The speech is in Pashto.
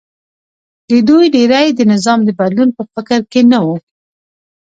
د دوی ډېری د نظام د بدلون په فکر کې نه و